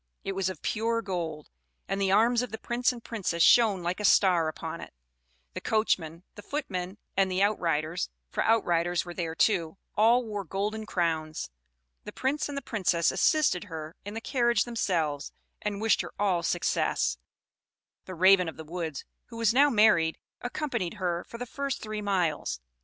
It was of pure gold, and the arms of the Prince and Princess shone like a star upon it; the coachman, the footmen, and the outriders, for outriders were there, too, all wore golden crowns. The Prince and the Princess assisted her into the carriage themselves, and wished her all success. The Raven of the woods, who was now married, accompanied her for the first three miles.